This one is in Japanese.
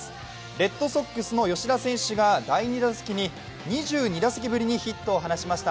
レッドソックスの吉田選手が第２打席に２２打席ぶりにヒットを放ちました。